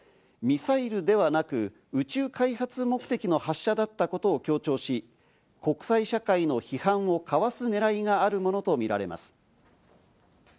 ミサイルではなく宇宙開発目的の発射だったことを強調し、国際社会の批判をかわすねらいがあるものとみられます。